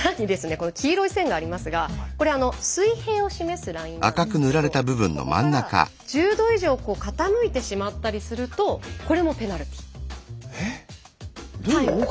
この黄色い線がありますがこれ水平を示すラインなんですけれどここから１０度以上傾いてしまったりするとこれもペナルティー。